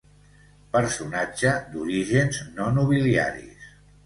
Personatge d'orígens no nobiliaris.